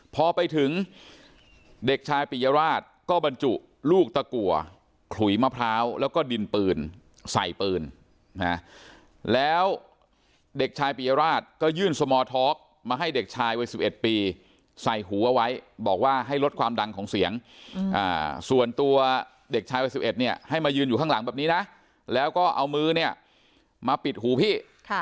พอไปถึงเด็กชายปิยราชก็บรรจุลูกตะกัวขลุยมะพร้าวแล้วก็ดินปืนใส่ปืนนะแล้วเด็กชายปียราชก็ยื่นสมอร์ทอล์กมาให้เด็กชายวัย๑๑ปีใส่หูเอาไว้บอกว่าให้ลดความดังของเสียงส่วนตัวเด็กชายวัย๑๑เนี่ยให้มายืนอยู่ข้างหลังแบบนี้นะแล้วก็เอามือเนี่ยมาปิดหูพี่